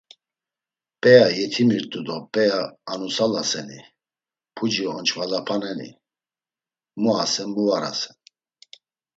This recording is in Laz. P̌eya yetimirt̆u do p̌eya anusalaseni, puci onç̌valapaneni, mu asen, mu var asen…